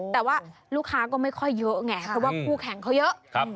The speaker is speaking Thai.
แต่ว่าลูกค้าก็ไม่ค่อยเยอะไงเพราะว่าคู่แข่งเขาเยอะ